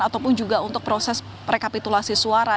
ataupun juga untuk proses rekapitulasi suara